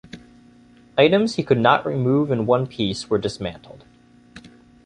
Items he could not remove in one piece were dismantled.